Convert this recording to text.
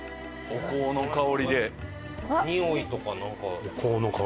お香の香りが。